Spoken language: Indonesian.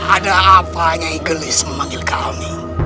ada apa yang iglis memanggil kau ini